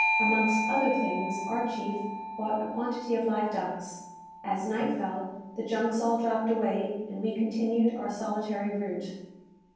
Amongst other things, our chief bought a quantity of live ducks. As night fell, the junks all dropped away, and we continued our solitary route.